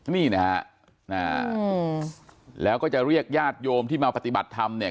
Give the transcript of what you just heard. นี่นะฮะแล้วก็จะเรียกญาติโยมที่มาปฏิบัติธรรมเนี่ย